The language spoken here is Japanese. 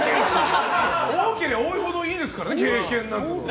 多ければ多いほどいいですから経験なんて。